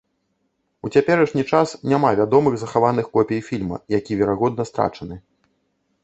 У цяперашні час няма вядомых захаваных копій фільма, які, верагодна, страчаны.